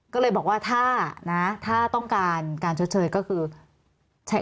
ก็เลยบอกว่าถ้าต้องการการเชิดเชยก็คือ